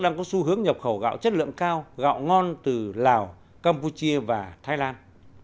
việt nam có xu hướng nhập khẩu gạo chất lượng cao gạo ngon từ lào campuchia và thái lan